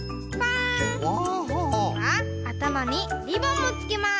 あたまにリボンもつけます！